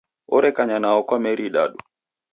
Orekanya nao kwa meri idadu.